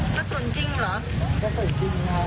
กระสุนจริงมาก